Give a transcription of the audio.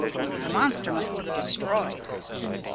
"The monster must be destroyed."